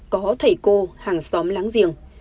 có thầy cô hàng xóm láng giềng